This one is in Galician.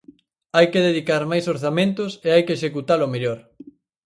Hai que dedicar máis orzamentos e hai que executalo mellor.